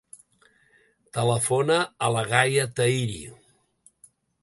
Telefona a la Gaia Tahiri.